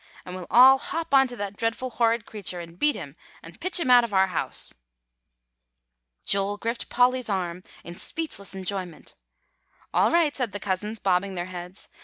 and we'll all hop on to that dreadful horrid creature, and beat him, and pitch him out of our house.'" Joel gripped Polly's arm in speechless enjoyment. "'All right,' said the cousins, bobbing their heads.